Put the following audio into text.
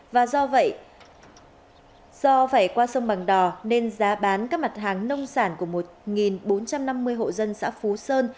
và do vậy do phải qua sông bằng đỏ nên giá bán các mặt hàng nông sản của một bốn trăm năm mươi hộ dân xã phú sơn